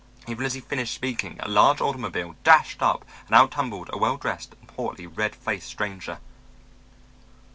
Even as he finished speaking a large automobile dashed up and out tumbled a well dressed and portly red faced stranger.